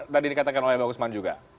tadi dikatakan oleh bang usman juga